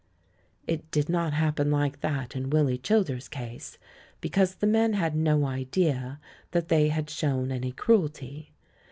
It did not happen like that in Willy Childers' case, because the men had no idea that they had shown any cruelty.